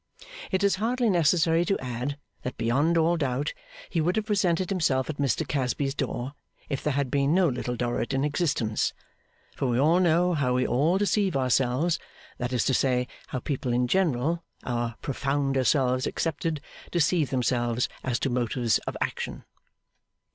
It is hardly necessary to add that beyond all doubt he would have presented himself at Mr Casby's door, if there had been no Little Dorrit in existence; for we all know how we all deceive ourselves that is to say, how people in general, our profounder selves excepted, deceive themselves as to motives of action.